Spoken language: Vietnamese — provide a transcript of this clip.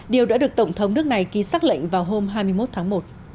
điều đã được tổng thống nước này ký xác lệnh vào hôm hai mươi một tháng một